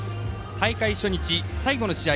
大会初日、最後の試合。